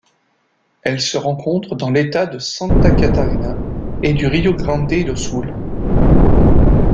Elle se rencontre dans l'État de Santa Catarina et du Rio Grande do Sul.